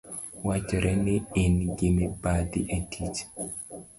Wachore ni ingi mibadhi etich